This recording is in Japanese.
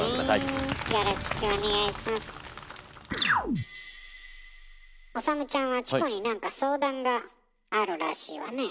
理ちゃんはチコに何か相談があるらしいわね。